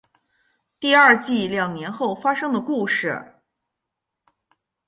第二季两年后发生的故事。